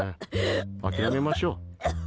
諦めましょう。